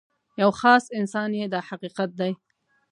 یو خاص انسان یې دا حقیقت دی.